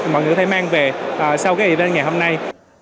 mọi người có thể mang về sau cái event ngày hôm nay